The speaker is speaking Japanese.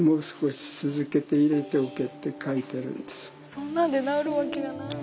そんなんで治るわけがない。